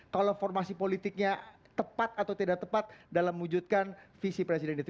kalau formasi politiknya tepat atau tidak tepat dalam mewujudkan visi presiden itu